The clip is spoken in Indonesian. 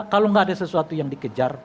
kalau nggak ada sesuatu yang dikejar